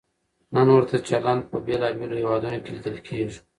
نن ورته چلند په بېلابېلو هېوادونو کې لیدل کېږي.